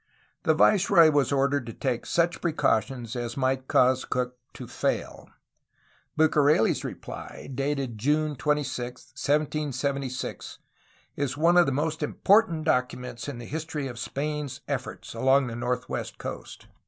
The viceroy was ordered to take such precautions as might cause Cook to fail. Bucareli' s reply, dated June 26, 1776, is one of the most important documents in the history of Spain's efforts along the northwest coast.